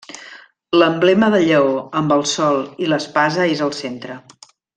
L'emblema del lleó amb el sol i l'espasa és al centre.